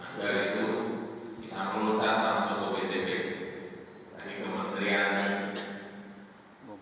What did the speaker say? oleh itu bisa meluncarkan suku wtp dari kementerian kkb